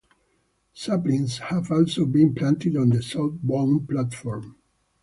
Saplings have also been planted on the southbound platform.